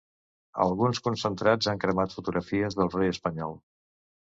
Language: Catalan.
Alguns concentrats han cremat fotografies del rei espanyol.